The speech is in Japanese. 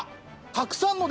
たくさんの。